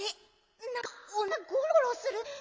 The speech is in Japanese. なんかおなかがゴロゴロする。